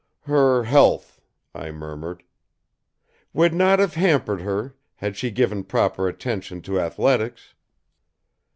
"Her health " I murmured. "Would not have hampered her had she given proper attention to athletics!